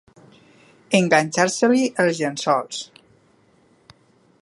Enganxar-se-li els llençols.